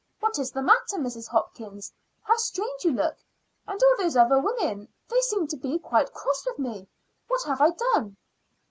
What is the matter, Mrs. Hopkins? How strange you look! And all those other women they seem quite cross with me. What have I done?"